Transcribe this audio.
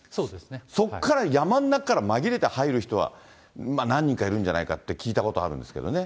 そこから、山の中から紛れて入る人は、何人かいるんじゃないかって聞いたことあるんですけどね。